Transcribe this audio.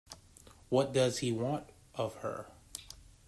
What does he want of her?